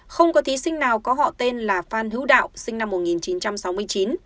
không có thí sinh nào có họ tên là phan hữu đạo sinh năm một nghìn chín trăm sáu mươi chín